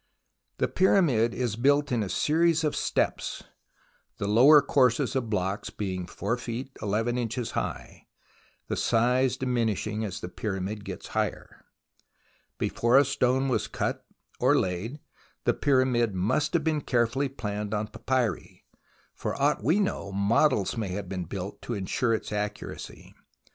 The Pyramid is built in a series of steps, the lower courses of blocks being 4 feet 11 inches high, the size diminishing as the Pyramid gets higher. 60 THE ROMANCE OF EXCAVATION Before a stone was cut or laid the Pyramid must have been carefully planned on papyri ; for aught we know models may have been built to ensure its accuracy.